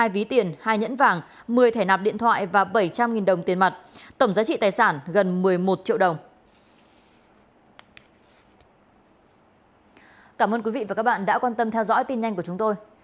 hai ví tiền hai nhẫn vàng một mươi thẻ nạp điện thoại và bảy trăm linh đồng tiền mặt tổng giá trị tài sản gần một mươi một triệu đồng